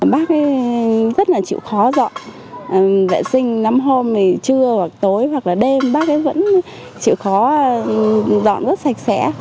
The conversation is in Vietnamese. bác rất là chịu khó dọn vệ sinh năm hôm thì trưa hoặc tối hoặc là đêm bác vẫn chịu khó dọn rất sạch